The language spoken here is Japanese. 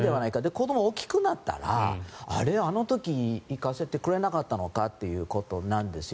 子どもが大きくなったらあの時行かせてくれなかったのかとなるんですよ。